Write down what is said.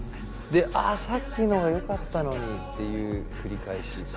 であさっきのがよかったのに！っていう繰り返し。